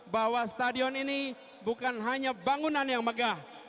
bahwa stadion ini bukan hanya bangunan yang megah